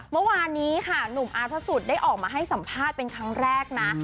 เมื่อวานนี้ค่ะหนุ่มอาร์ตพระสุทธิ์ได้ออกมาให้สัมภาษณ์เป็นครั้งแรกนะ